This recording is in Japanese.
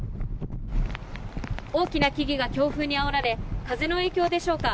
大きな木々が強風にあおられ風の影響でしょうか。